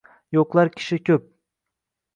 Yo’qlar kishi ko’p.